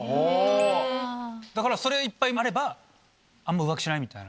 だからそれがいっぱいあればあんま浮気しないみたいな。